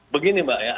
begini mbah ya